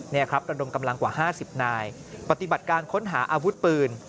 นี่ครับระดมกำลังกว่า๕๐นายปฏิบัติการค้นหาอาวุธปืน